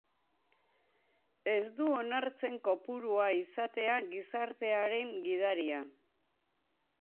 Ez du onartzen kopurua izatea gizartearen gidaria.